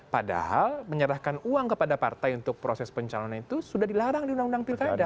padahal menyerahkan uang kepada partai untuk proses pencalonan itu sudah dilarang di undang undang pilkada